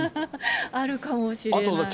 あるかもしれない。